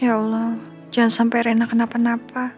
ya allah jangan sampai renah kenapa napa